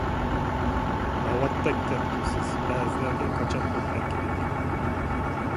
ناۋاتتەك گەپ قىپسىز، بەزىلەرگە كاچات بولۇپ تەگكۈدەك!